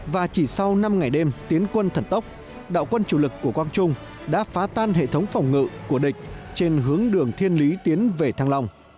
và chỉ sau năm ngày đêm tiến quân thần tốc đạo quân chủ lực của quang trung đã phá tan hệ thống phòng ngự của địch trên hướng đường thiên lý tiến về thăng long